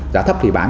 giá thấp thì bán